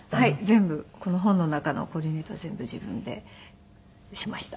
全部この本の中のコーディネートは全部自分でしました。